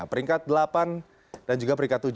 peringkat delapan dan juga peringkat tujuh